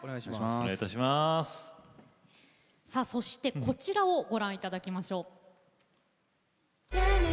そしてこちらをご覧いただきましょう。